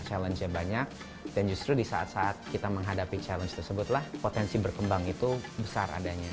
challenge nya banyak dan justru di saat saat kita menghadapi challenge tersebutlah potensi berkembang itu besar adanya